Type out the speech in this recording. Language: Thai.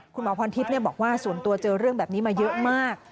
คุณหมอพรทิพย์บอกว่าส่วนตัวเจอเรื่องแบบนี้มาเยอะมาก